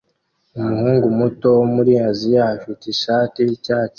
Umuhungu muto wo muri Aziya afite ishati yicyatsi